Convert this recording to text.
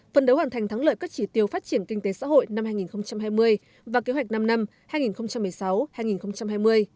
phần đấu hoàn thành thắng lợi các chỉ tiêu phát triển kinh tế xã hội năm hai nghìn hai mươi và kế hoạch năm năm hai nghìn một mươi sáu hai nghìn hai mươi